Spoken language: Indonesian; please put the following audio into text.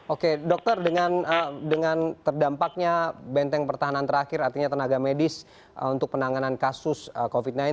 oke dokter dengan terdampaknya benteng pertahanan terakhir artinya tenaga medis untuk penanganan kasus covid sembilan belas